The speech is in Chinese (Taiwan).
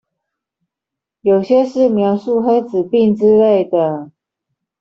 有些是描述黑死病之類的